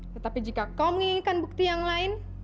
tetapi jika kau menginginkan bukti yang lain